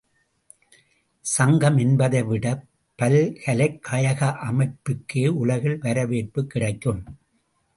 சங்கம் என்பதை விடப் பல்கலைக்கழக அமைப்புக்கே உலகில் வரவேற்புக் கிடைக்கும்.